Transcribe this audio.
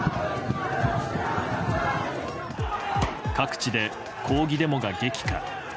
各地で抗議デモが激化。